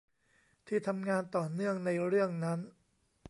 ที่ทำงานต่อเนื่องในเรื่องนั้น